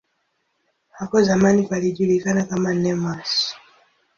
Hapo zamani palijulikana kama "Nemours".